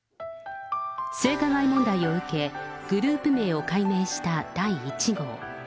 性加害問題を受け、グループ名を改名した第１号。